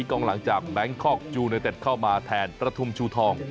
กองหลังจากแบงคอกยูเนเต็ดเข้ามาแทนประทุมชูทอง